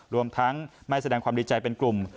รวมทั้งไม่แสดงความดีใจเป็นกลุ่ม